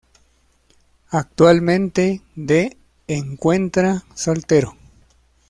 Actualmente de encuentra soltero.